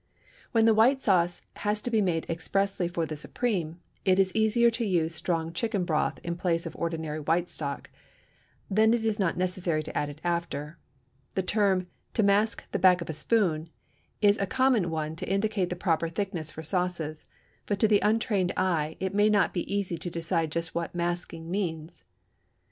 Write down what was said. When the white sauce has to be made expressly for the suprême, it is easier to use strong chicken broth in place of ordinary white stock; then it is not necessary to add it after. The term "to mask the back of a spoon" is a common one to indicate the proper thickness for sauces, but to the untrained eye it may not be easy to decide just what "masking" means.